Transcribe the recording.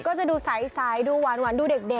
ก็จะดูสายดูวานวานดูเด็ก